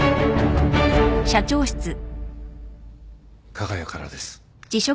加賀谷からです。